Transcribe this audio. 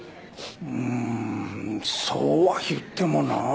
うんそうはいってもなぁ。